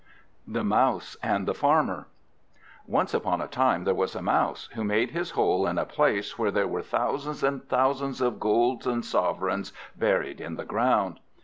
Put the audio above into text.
THE MOUSE AND THE FARMER Once upon a time there was a Mouse, who made his hole in a place where there were thousands and thousands of golden sovereigns buried in the ground.